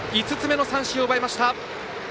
５つ目の三振を奪いました。